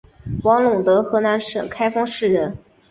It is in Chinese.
王陇德河南省开封市人。